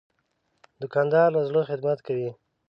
دوکاندار له زړه خدمت کوي.